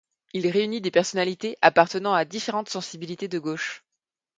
Il réunit des personnalités appartenant à différentes sensibilités de gauche.